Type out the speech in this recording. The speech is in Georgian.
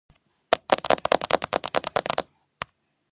ამ ლაშქრობის შემდეგ ვენეციელებმა მიიღეს სავაჭრო პრივილეგიები ტვიროსში.